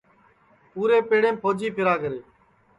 پُورے پیڑیم پھوجی پھیرا کرے